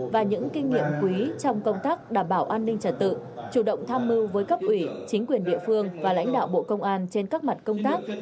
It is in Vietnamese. và những kinh nghiệm quý trong công tác đảm bảo an ninh trật tự chủ động tham mưu với cấp ủy chính quyền địa phương và lãnh đạo bộ công an trên các mặt công tác